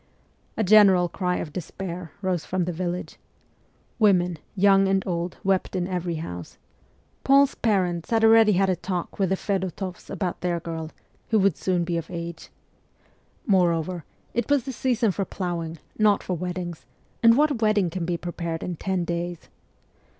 A general cry of despair rose from the village. Women, young and old, wept in every house. Anna had hoped to marry Gregory ; Paul's parents had already had a talk with the Fedotoffs about their girl, who would soon be of age. Moreover, it was the season for ploughing, not for weddings ; and what wedding can be prepared in ten days?